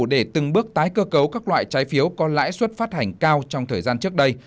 để từng bước tái cơ cấu các loại trái phiếu có lãi suất phát hành cao trong thời gian trước đây